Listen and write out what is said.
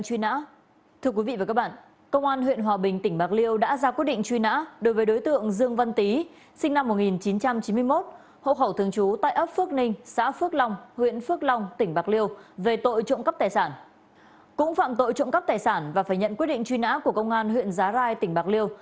cũng phạm tội trộm cắp tài sản và phải nhận quyết định truy nã của công an huyện giá rai tỉnh bạc liêu